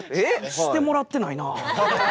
してもらってないなあ。